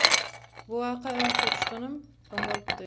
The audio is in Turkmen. Bu waka öňki uruşdanam öň bolupdy.